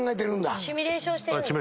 シミュレーションしてるんですね。